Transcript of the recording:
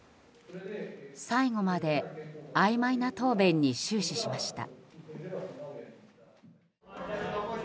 最後まであいまいな答弁に終始しました。